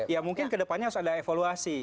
ya mungkin ke depannya harus ada evaluasi